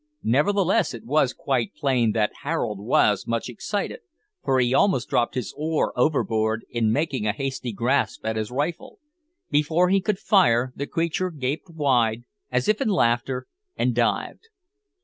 Nevertheless it was quite plain that Harold was much excited, for he almost dropped his oar overboard in making a hasty grasp at his rifle. Before he could fire, the creature gaped wide, as if in laughter, and dived.